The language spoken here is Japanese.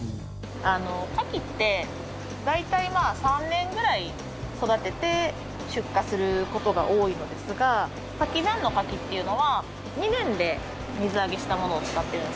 牡蠣って大体３年ぐらい育てて出荷する事が多いのですが牡蠣じゃんの牡蠣っていうのは２年で水揚げしたものを使ってるんですね。